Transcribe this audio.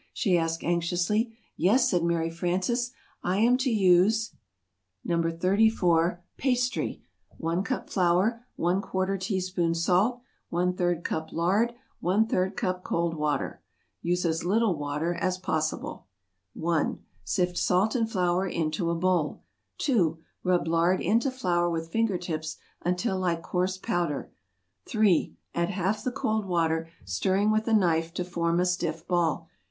she asked, anxiously. "Yes," said Mary Frances, "I am to use [Illustration: "What is it child?"] NO. 34. PASTRY. 1 cup flour ¼ teaspoon salt 1/3 cup lard 1/3 cup cold water (Use as little water as possible.) 1. Sift salt and flour into a bowl. 2. Rub lard into flour with finger tips until like coarse powder. 3. Add half the cold water, stirring with a knife to form a stiff ball.